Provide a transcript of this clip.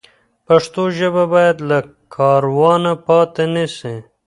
پښتو ژبه باید له کاروانه پاتې نه سي.